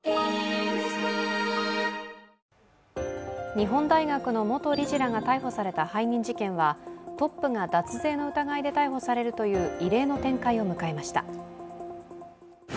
日本大学の元理事らが逮捕された背任事件はトップが脱税の疑いで逮捕されるという異例の展開を迎えました。